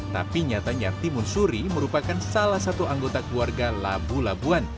tapi nyatanya timun suri merupakan salah satu anggota keluarga labu labuan